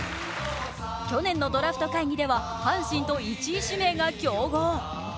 去年のドラフト会議では阪神と１位指名が競合。